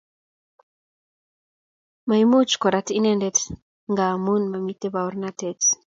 Maimuch ko rat inendet ngamun mamiten baornatet